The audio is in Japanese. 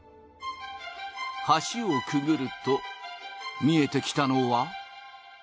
橋をくぐると見えてきたのは。